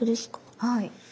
はい。